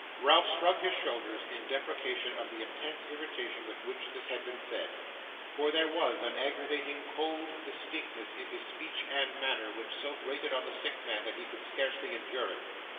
Ralph shrugged his shoulders in deprecation of the intense irritation with which this had been said; for there was an aggravating, cold distinctness in his speech and manner which so grated on the sick man that he could scarcely endure it.